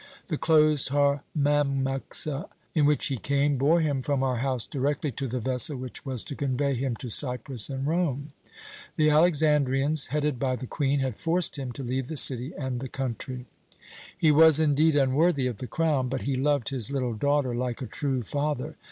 The closed harmamaxa* in which he came bore him from our house directly to the vessel which was to convey him to Cyprus and Rome. The Alexandrians, headed by the Queen, had forced him to leave the city and the country. [* A closed Asiatic travelling carriage with four wheels.] "He was indeed unworthy of the crown, but he loved his little daughter like a true father.